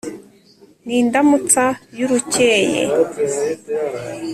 ni indamutsa y’urukeye